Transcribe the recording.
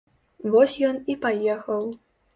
Вось ён і паехаў.